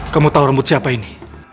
kamu tahu rambut siapa ini